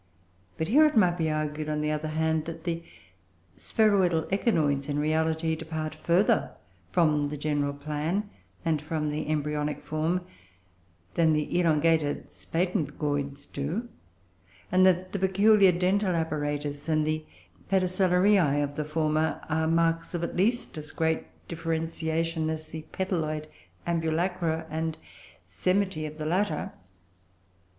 But here it might be argued, on the other hand, that the spheroidal Echinoids, in reality, depart further from the general plan and from the embryonic form than the elongated Spatangoids do; and that the peculiar dental apparatus and the pedicellariae of the former are marks of at least as great differentiation as the petaloid ambulacra and semitae of the latter.